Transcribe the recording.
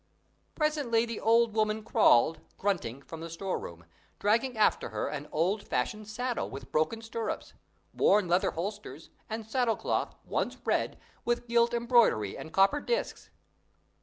Presently the old woman crawled, grunting, from the storeroom, dragging after her an old fashioned saddle with broken stirrups, worn leather holsters, and saddle cloth, once red, with gilt embroidery and copper disks.